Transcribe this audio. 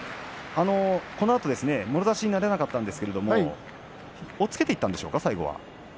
このあとですね、もろ差しにならなかったんですけれど押っつけていったんですか？